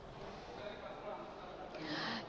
ya reinhardt kalau mengenai berita